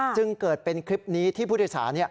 จึงเกิดเป็นคลิปนี้ที่ผู้โดยสาร